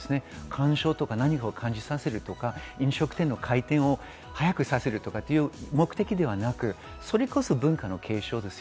鑑賞とか何かを感じさせるとか、飲食店の回転を早くさせるとかという目的ではなく、文化の継承です。